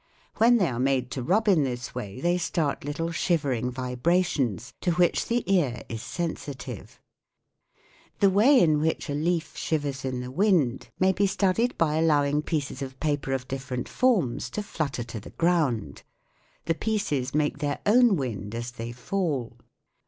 When they are made to rub in this way they start little shivering vibra tions to which the ear is sensitive. The way in which a leaf shivers in the wind SOUNDS OF THE COUNTRY 117 may be studied by allowing pieces of paper of different forms to flutter to the ground. The pieces make their own wind as they fall.